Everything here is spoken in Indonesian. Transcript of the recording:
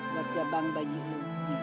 buat jambang bayi lo